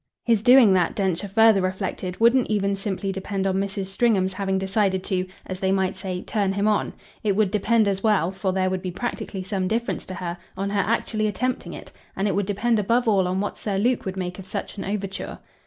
His doing that, Densher further reflected, wouldn't even simply depend on Mrs. Stringham's having decided to as they might say turn him on. It would depend as well for there would be practically some difference to her on her actually attempting it; and it would depend above all on what Sir Luke would make of such an overture.